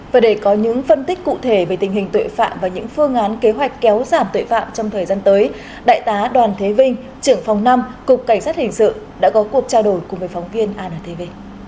và để có những phân tích cụ thể về tình hình tội phạm và những phương án kế hoạch kéo giảm tội phạm trong thời gian tới đại tá đoàn thế vinh trưởng phòng năm cục cảnh sát hình sự đã có cuộc trao đổi cùng với phóng viên antv